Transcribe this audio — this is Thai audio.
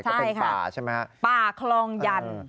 ก็เป็นป่าใช่ไหมครับป่าคลองยัน